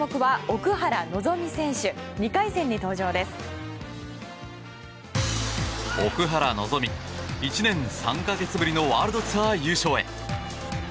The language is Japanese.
奥原希望、１年３か月ぶりのワールドツアー優勝へ。